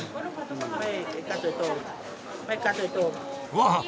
わっ！